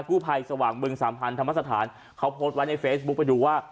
กู้ภัยสว่างบึงสามพันธรรมสถานเขาโพสต์ไว้ในเฟซบุ๊คไปดูว่า